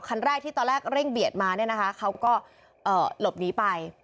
คันแรกที่ตอนแรกเร่งเบียดมาเนี่ยนะคะเขาก็หลบหนีไป